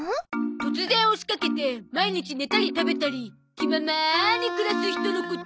突然押しかけて毎日寝たり食べたり気ままに暮らす人のこと。